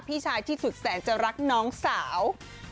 พี่ชายที่สุดแสนจะรักน้องสาว